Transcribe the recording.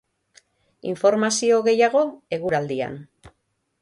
Informazio gehiago, eguraldian.